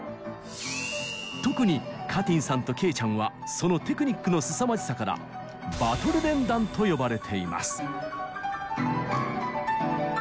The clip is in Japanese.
特にかてぃんさんとけいちゃんはそのテクニックのすさまじさからバトル連弾と呼ばれています。